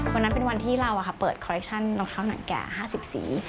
วันนั้นเป็นวันที่เราเปิดคอเรคชั่นรองเท้าหนังแก่๕๐สี